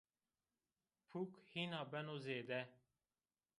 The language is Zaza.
Puk hîna beno zêde